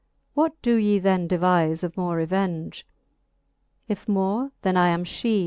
What do ye then devife Of more revenge ? If more, then I am fhee.